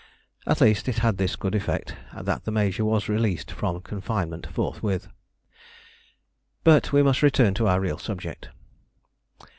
At least it had this good effect, that the major was released from confinement forthwith. But we must return to our real subject.